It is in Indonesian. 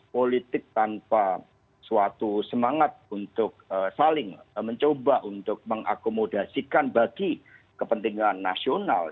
politik tanpa suatu semangat untuk saling mencoba untuk mengakomodasikan bagi kepentingan nasional